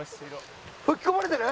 吹きこぼれてる？